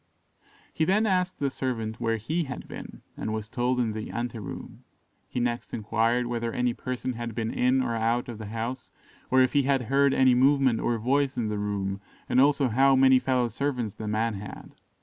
He then asked the servant where he had been, and was told in the ante room. He next enquired whether any person had been in or out of the house, or if he had heard any movement or voice in the room, and also how many fellow servants the man had.